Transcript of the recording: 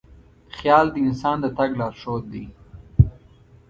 خیال د انسان د تګ لارښود دی.